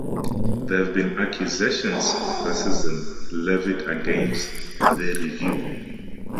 There have been accusations of racism levied against the "Review".